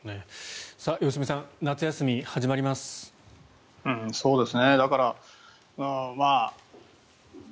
良純さん夏休みが始まります。